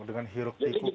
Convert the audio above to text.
oh dengan hiruk tikus